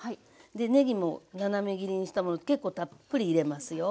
でねぎも斜め切りにしたもの結構たっぷり入れますよ。